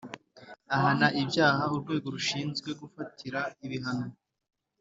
ahana ibyaha urwego rushinzwe gufatira ibihano